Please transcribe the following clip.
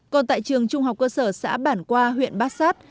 còn tại trường trung học cơ sở xã bản qua huyện bát sát